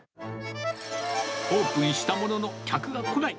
オープンしたものの、客が来ない。